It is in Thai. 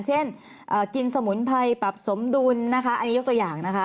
เช่นกินสมุนไพรปรับสมดุลนะคะอันนี้ยกตัวอย่างนะคะ